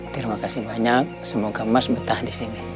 terima kasih banyak semoga emas betah di sini